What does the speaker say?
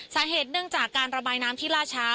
สาเหตุเนื่องจากการระบายน้ำที่ล่าช้า